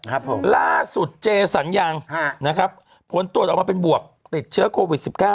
ครับผมล่าสุดเจสัญญังฮะนะครับผลตรวจออกมาเป็นบวกติดเชื้อโควิดสิบเก้า